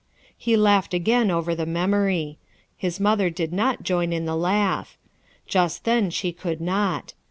He laughed again over the memory. Ilia mother did not join in the laugh; just then she could not.